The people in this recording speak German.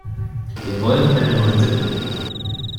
Wir wollen keine neuen Sitten einführen.